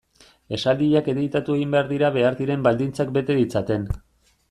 Esaldiak editatu egin behar dira behar diren baldintzak bete ditzaten.